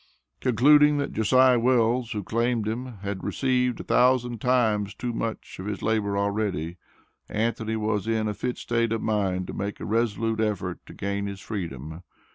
Concluding that Josiah Wells, who claimed him, had received a thousand times too much of his labor already, Anthony was in a fit state of mind to make a resolute effort to gain his freedom.